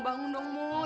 bangun dong mau